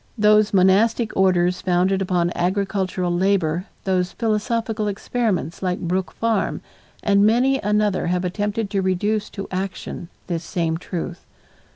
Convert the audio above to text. Those monastic orders founded upon agricultural labor, those philosophical experiments like Brook Farm and many another have attempted to reduce to action this same truth.